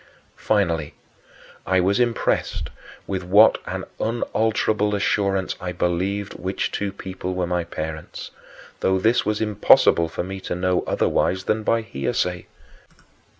Finally, I was impressed with what an unalterable assurance I believed which two people were my parents, though this was impossible for me to know otherwise than by hearsay.